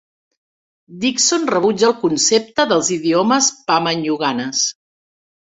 Dixon rebutja el concepte dels idiomes pama-nyunganes.